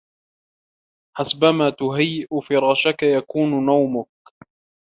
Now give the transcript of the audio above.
حسبما تهيء فراشك يكون نومك.